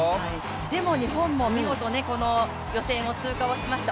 でも日本も見事この予選を通過しました。